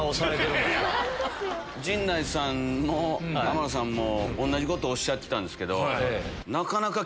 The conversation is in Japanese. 陣内さんも天野さんも同じことおっしゃってたんですけど。